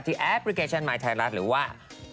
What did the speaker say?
แอปพลิเคชันมายไทยรัฐหรือว่า